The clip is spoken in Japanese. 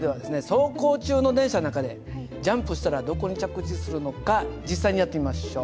走行中の電車の中でジャンプしたらどこに着地するのか実際にやってみましょう。